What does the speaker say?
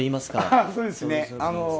あ、そうですね。